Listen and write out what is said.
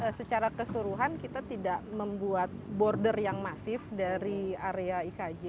karena secara keseluruhan kita tidak membuat border yang masif dari area ikj